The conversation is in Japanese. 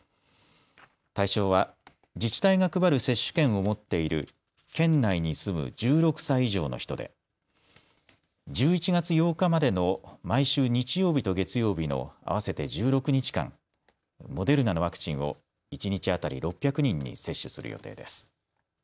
対象は自治体が配る接種券を持っている県内に住む１６歳以上の人で、１１月８日までの毎週日曜日と月曜日の合わせて１６日間、モデルナのワクチンを一日当たり６００人に接種する予定です。